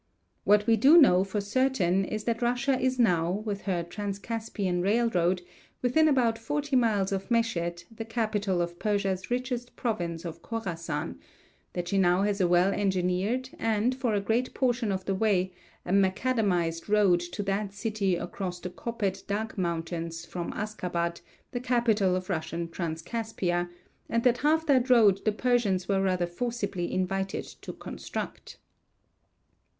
"What we do know, for certain, is that Russia is now, with her Transcaspian railroad, within about forty miles of Meshed, the capital of Persia's richest province of Khorasan; that she now has a well engineered and, for a great portion of the way, a macadamized road to that city across the Kopet Dagh mountains from Askabad, the capital of Russian Transcaspia; and that half that road the Persians were rather forcibly invited to construct."